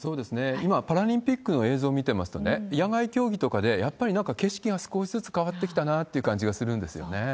今、パラリンピックの映像見てますとね、野外競技とかで、やっぱりなんか景色が少しずつ変わってきたなという感じがするんそうですね。